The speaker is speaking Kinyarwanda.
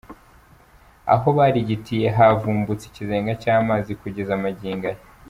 Aho barigitiye havubutse ikizenga cy’amazi kugeza magingo aya.